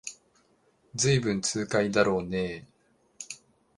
ずいぶん痛快だろうねえ